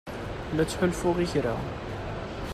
La ttḥulfuɣ i kra.